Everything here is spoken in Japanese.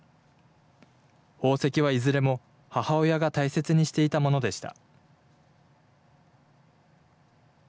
宝石はいずれも母親が大切にしていたものでした。